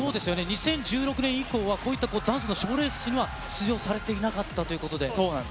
２０１６年以降は、こういったダンスのショーレースには出場されていなかったというそうなんです。